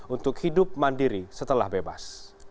untuk hidup mandiri setelah bebas